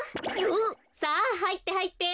さあはいってはいって。